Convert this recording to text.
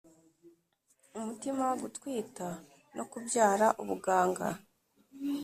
umutima gutwita no kubyara ubuganga